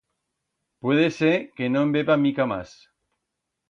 Puede ser que no'n beba mica mas.